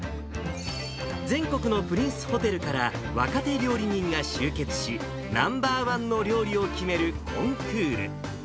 全国のプリンスホテルから若手料理人が集結し、ナンバーワンの料理を決めるコンクール。